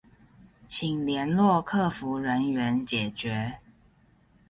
請聯絡客服人員解決